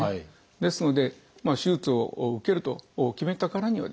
ですので手術を受けると決めたからにはですね